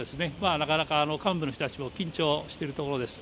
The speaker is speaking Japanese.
なかなか、幹部の人たちも緊張しているところです。